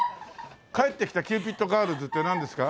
帰ってきたキューピッドガールズってなんですか？